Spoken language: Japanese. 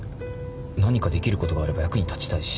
何かできることがあれば役に立ちたいし。